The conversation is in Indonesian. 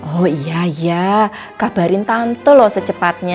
oh iya iya kabarin tante lho secepatnya